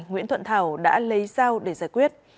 nguyễn thuận thảo đã lấy dao để giải quyết